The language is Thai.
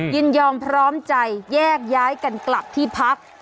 ยินยอมพร้อมใจแยกย้ายกันกลับที่พัก